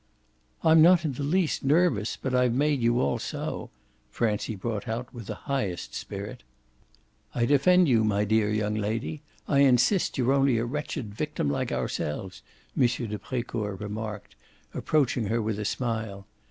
"I'm not in the least nervous, but I've made you all so," Francie brought out with the highest spirit. "I defend you, my dear young lady I insist that you're only a wretched victim like ourselves," M. de Brecourt remarked, approaching her with a smile.